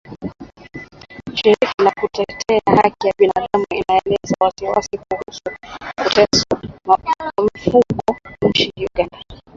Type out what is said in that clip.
shirika la kutetea haki za binadamu inaelezea wasiwasi kuhusu kuteswa wafungwa nchini Uganda